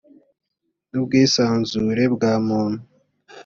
n ubwisanzure bwa muntu